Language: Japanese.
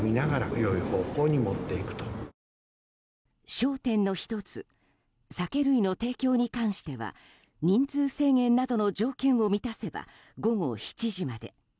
焦点の１つ酒類の提供に関しては人数制限などの条件を満たせば午後７時まで。